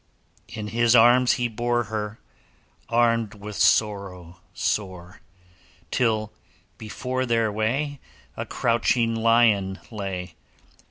In his arms he bore Her, armed with sorrow sore; Till before their way A couching lion lay.